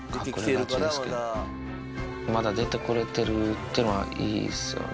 まだ出てこれてるっていうのはいいですよね。